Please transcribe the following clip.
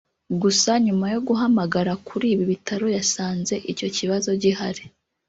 Gusa nyuma yo guhamagara kuri ibi bitaro yasanze icyo kibazo gihari